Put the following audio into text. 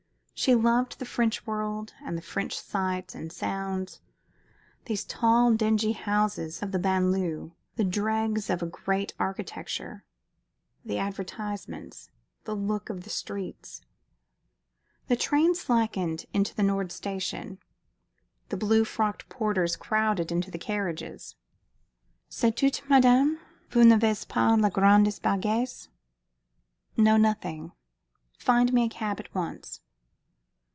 She loved the French world and the French sights and sounds these tall, dingy houses of the banlieue, the dregs of a great architecture; the advertisements; the look of the streets. The train slackened into the Nord Station. The blue frocked porters crowded into the carriages. "C'est tout, madame? Vous n'avez pas de grands bagages?" "No, nothing. Find me a cab at once."